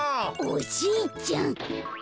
おじいちゃん。